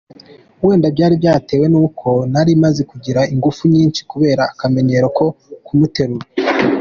Wenda byari byatewe ni uko nari maze kugira ingufu nyinshi kubera akamenyero ko kumuterura.